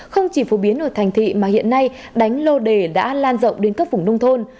không chỉ phổ biến ở thành thị mà hiện nay đánh lô đề đã lan rộng đến các vùng nông thôn